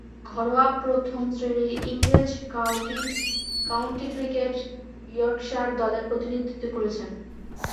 ঘরোয়া প্রথম-শ্রেণীর ইংরেজ কাউন্টি ক্রিকেটে ইয়র্কশায়ার দলের প্রতিনিধিত্ব করেছেন।